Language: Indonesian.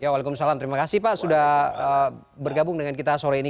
waalaikumsalam terima kasih pak sudah bergabung dengan kita sore ini